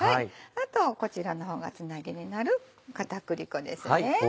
あとこちらの方がつなぎになる片栗粉です。